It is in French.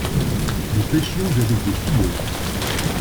Nous pêchions avec des filets.